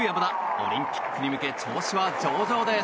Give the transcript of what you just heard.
オリンピックに向け調子は上々です。